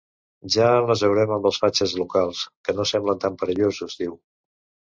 Ja ens les haurem amb els fatxes locals, que no semblen tan perillosos, diu.